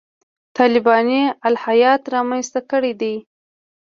طالباني الهیات رامنځته کړي دي.